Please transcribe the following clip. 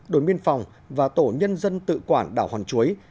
đồi miên phòng và tổ nhân dân tự quản đảo hòn chuối